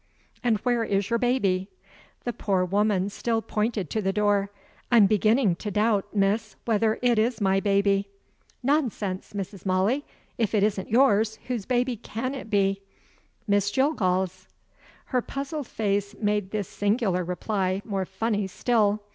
"And where is your baby?" The poor woman still pointed to the door: "I'm beginning to doubt, miss, whether it is my baby." "Nonsense, Mrs. Molly. If it isn't yours, whose baby can it be?" "Miss Jillgall's." Her puzzled face made this singular reply more funny still.